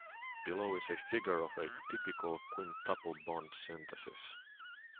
Below is a figure of a typical quintuple bond synthesis.